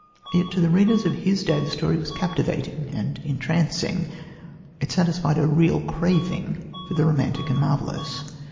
Yet to the readers of his day the story was captivating and entrancing. It satisfied a real craving for the romantic and marvellous.